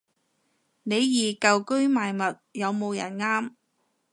李怡舊居賣物，有冇人啱